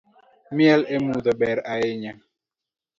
Miel emudho ber ahinya